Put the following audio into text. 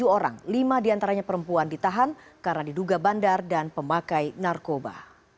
tujuh orang lima diantaranya perempuan ditahan karena diduga bandar dan pemakai narkoba